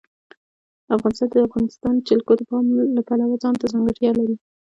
افغانستان د د افغانستان جلکو د پلوه ځانته ځانګړتیا لري.